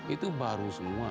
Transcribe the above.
itu baru semua